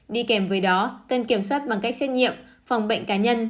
đi kèm với đó cần kiểm soát bằng cách xét nghiệm phòng bệnh cá nhân